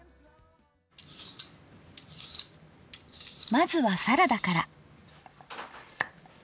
まずはサラダから。